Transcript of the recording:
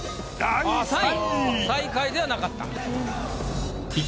最下位ではなかった。